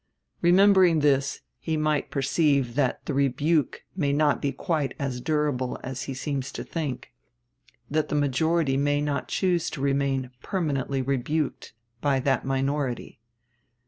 Remembering this, he might perceive that the "rebuke" may not be quite as durable as he seems to think that the majority may not choose to remain permanently rebuked by that minority.